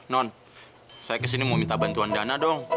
non saya ke sini mau minta bantuan dana dong